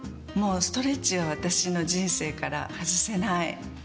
もうストレッチは私の人生から外せない。